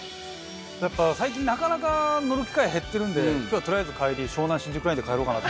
やっぱ最近なかなか乗る機会減ってるんで今日はとりあえず帰り湘南新宿ラインで帰ろうかなって。